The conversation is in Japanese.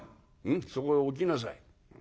うんそこへ置きなさい。